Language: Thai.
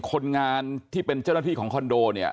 คนงานที่เป็นเจ้าหน้าที่ของคอนโดเนี่ย